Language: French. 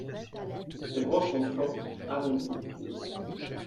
Ses branches sont fortes, arrondies, lisses.